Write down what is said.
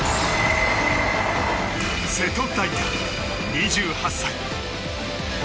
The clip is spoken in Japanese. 瀬戸大也、２８歳。